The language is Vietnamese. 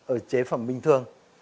ở chế phẩm bình thường